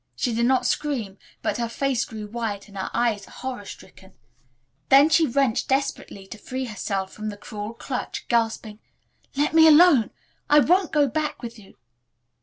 She did not scream, but her face grew white and her eyes horror stricken. Then she wrenched desperately to free herself from the cruel clutch, gasping, "Let me alone. I won't go back with you."